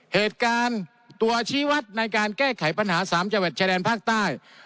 เหตุการณ์ตัวชี้วัดในการแก้ไขปัญหา๓จังหวัดชายแดนภาคใต้